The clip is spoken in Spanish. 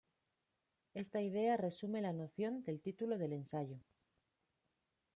Esta idea resume la noción del título del ensayo.